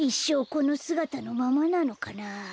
このすがたのままなのかな？